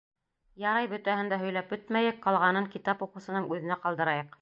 Ярай, бөтәһен дә һөйләп бөтмәйек, ҡалғанын китап уҡыусының үҙенә ҡалдырайыҡ.